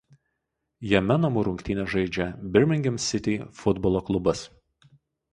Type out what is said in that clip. Jame namų rungtynes žaidžia Birmingham City futbolo klubas.